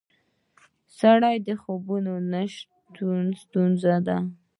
د سړو خونو نشتون ستونزه ده